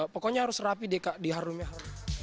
pokoknya harus rapi deh diharumnya